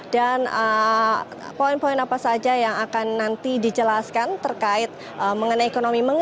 dan poin poin apa saja yang akan nanti dijelaskan terkait mengenai ekonomi mengenat